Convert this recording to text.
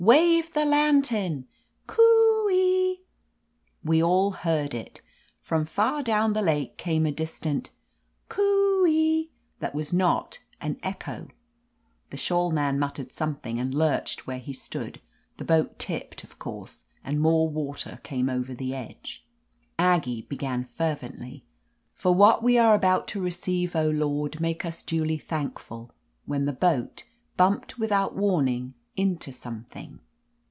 "Wave the lantern ! Coo — ee !" We all heard it. From far down the lake came a distant "coo — ee" that was not an echo. The shawl man muttered something and lurched where he stood: the boat tipped, of course, and more water came over the edge. Aggie began fervently, "For what we are about to receive, O Lord, make us duly thank ful," when the boat bumped without warning into something.